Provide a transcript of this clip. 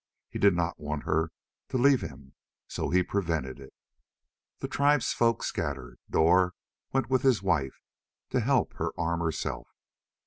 He did not want her to leave him, so he prevented it. The tribesfolk scattered. Dor went with his wife, to help her arm herself.